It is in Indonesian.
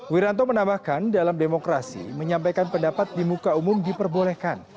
wiranto menambahkan dalam demokrasi menyampaikan pendapat di muka umum diperbolehkan